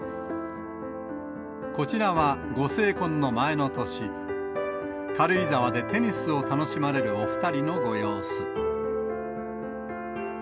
こちらは、ご成婚の前の年、軽井沢でテニスを楽しまれるお２人のご様子。